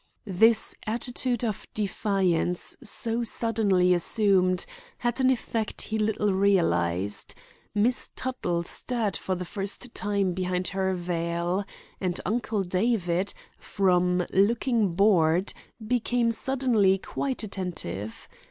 This attitude of defiance so suddenly assumed had an effect he little realized. Miss Tuttle stirred for the first time behind her veil, and Uncle David, from looking bored, became suddenly quite attentive.